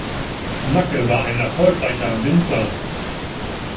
Nacke war ein erfolgreicher Winzer.